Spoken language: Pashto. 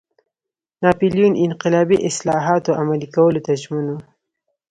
ناپلیون انقلابي اصلاحاتو عملي کولو ته ژمن و.